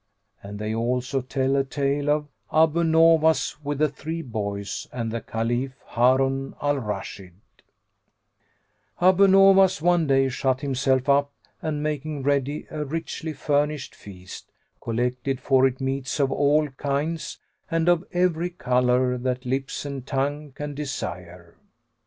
And they also tell a tale of ABU NOWAS WITH THE THREE BOYS AND THE CALIPH HARUN AL RASHID[FN#82] Abu Nowas one day shut himself up and, making ready a richly furnished feast, collected for it meats of all kinds and of every colour that lips and tongue can desire.